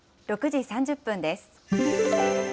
６時３０分です。